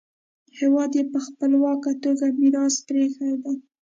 هېواد یې په خپلواکه توګه میراث پریښی دی.